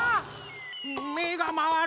めがまわる！